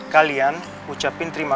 kalian ucapin terima kasih